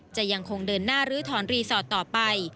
จะยังคงเดินหน้าลื้อถอนรีสอร์ทต่อไป